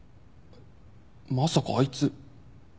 まさかあいつ。